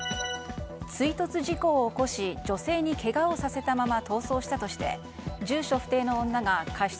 追突事故を起こし女性にけがをさせたまま逃走したとして住所不定の女が過失